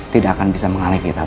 tidak akan bisa mengalih kita